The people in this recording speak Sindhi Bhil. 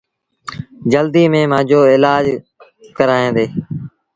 جلديٚ ميݩ مآݩجو ايلآج ڪرآيآندي